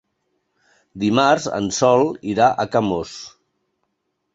Dimarts en Sol irà a Camós.